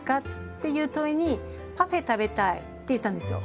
っていう問いに「パフェ食べたい」って言ったんですよ。